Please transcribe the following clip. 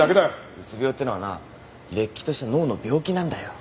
うつ病ってのはなれっきとした脳の病気なんだよ。